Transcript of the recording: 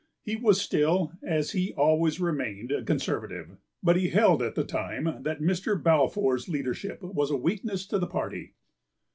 He was still, as he always remained, a Conservative, but he held at the time that Mr. Balfour's leadership was a weakness to the party.